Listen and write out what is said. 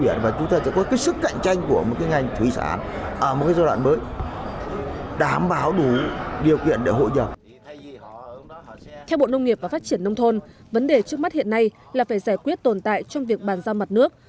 và đối với các nội dung các nội dung các nội dung các nội dung các nội dung các nội dung các nội dung